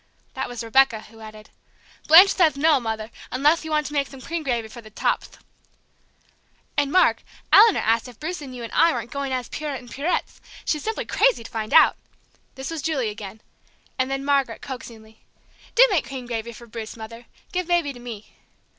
That was Rebecca, who added, "Blanche theth no, Mother, unleth you want to make thom cream gravy for the chopth!" "And, Mark, Eleanor asked if Bruce and you and I weren't going as Pierrot and Pierettes; she's simply crazy to find out!" This was Julie again; and then Margaret, coaxingly, "Do make cream gravy for Bruce, Mother. Give Baby to me!"